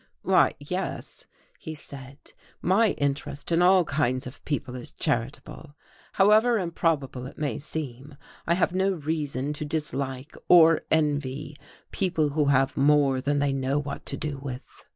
"Why, yes," he said, "my interest in all kinds of people is charitable. However improbable it may seem, I have no reason to dislike or envy people who have more than they know what to do with."